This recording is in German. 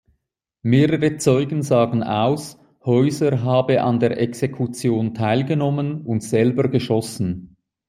Mehrere Zeugen sagen aus, Heuser habe an der Exekution teilgenommen und selber geschossen.